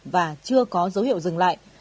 và chưa có dấu hiệu dừng lại